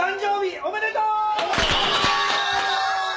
おめでとう！